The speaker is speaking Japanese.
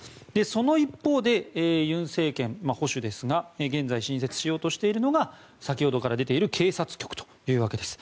その一方で尹政権は保守ですが現在、新設しようとしているのが先ほどから出ている警察局というわけです。